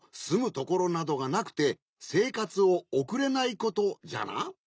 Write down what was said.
すむところなどがなくてせいかつをおくれないことじゃな。